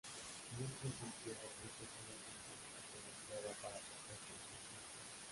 En un principio, el grupo sólo utilizó una pequeña prueba para proporcionar la música.